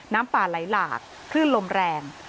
น้ำป่าไหลหลากคลื่นลมแรง